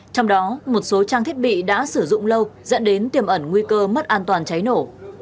trong đó một số trang thiết bị đã sử dụng lâu dẫn đến tiềm ẩn nguy cơ mất an toàn cháy nổ